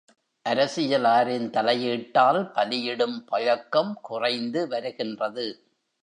அரசியலாரின் தலையீட்டால், பலியிடும் பழக்கம் குறைந்து வருகின்றது.